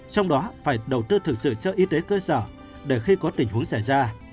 trong đó phải đầu tư thực sự cho y tế cơ sở để khi có tình huống xảy ra